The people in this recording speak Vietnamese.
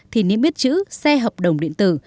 thì niêm yết chữ xe hợp đồng điện tử